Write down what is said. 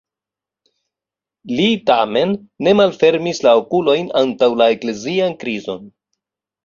Li tamen ne malfermis la okulojn antaŭ la eklezian krizon.